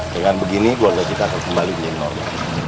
dengan begini gue lagi takut kembali di nolga